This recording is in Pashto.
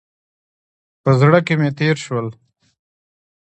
په زړه کې مې تېر شول.